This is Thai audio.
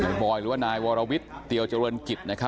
นายบอยหรือว่านายวรวิทย์เตี๋ยวเจริญกิตนะครับ